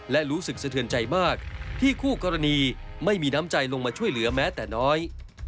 และรู้สึกสะเทือนใจมากที่คู่กรณีไม่มีน้ำใจลงมาช่วยเหลือแม้แต่น้อย